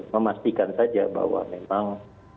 memastikan saja bahwa memang